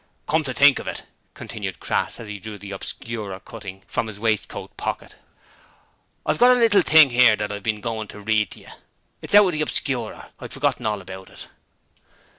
'Come to think of it,' continued Crass as he drew the Obscurer cutting from his waistcoat pocket, 'I've got a little thing 'ere that I've been goin' to read to yer. It's out of the Obscurer. I'd forgotten all about it.'